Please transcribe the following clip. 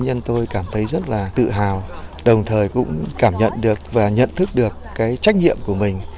cá nhân tôi cảm thấy rất là tự hào đồng thời cũng cảm nhận được và nhận thức được cái trách nhiệm của mình